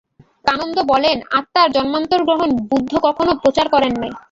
কানন্দ বলেন, আত্মার জন্মান্তরগ্রহণ বুদ্ধ কখনও প্রচার করেন নাই।